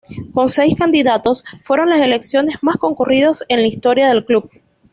Con seis candidatos, fueron las elecciones más concurridas en la historia del club.